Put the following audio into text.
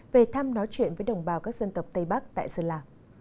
về thăm nói chuyện với đồng bào các dân tộc tây bắc tại sơn la